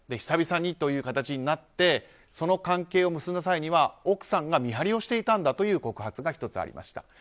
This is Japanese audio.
久々にという形になってその関係を結んだ際には奥さんが見張りをしていたんだという告発が１つありました。